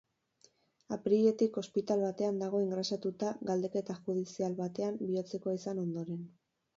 Apiriletik ospital batean dago ingresatuta galdeketa judizial batean bihotzekoa izan ondoren.